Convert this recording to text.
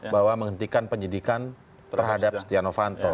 bahwa menghentikan penyidikan terhadap stiano vanto